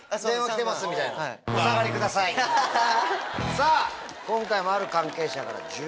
さぁ今回も。